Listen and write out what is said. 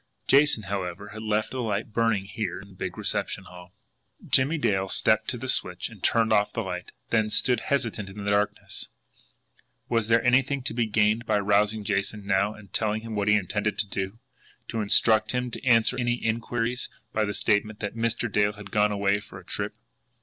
Jason, however, had left the light burning here in the big reception hall. Jimmie Dale stepped to the switch and turned off the light; then stood hesitant in the darkness. Was there anything to be gained by rousing Jason now and telling him what he intended to do to instruct him to answer any inquiries by the statement that "Mr. Dale had gone away for a trip"?